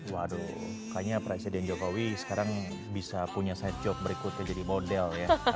waduh kayaknya presiden jokowi sekarang bisa punya side job berikutnya jadi model ya